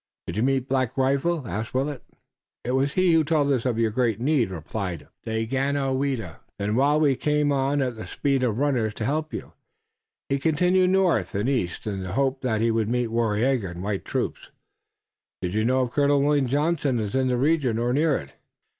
"Did you meet Black Rifle?" asked Willet. "It was he who told us of your great need," replied Daganoweda. "Then while we came on at the speed of runners to help you, he continued north and east in the hope that he would meet Waraiyageh and white troops." "Do you know if Colonel William Johnson is in this region or near it?"